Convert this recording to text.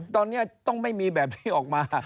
ตอนนี้ต้องไม่มีแบบนี้ออกมา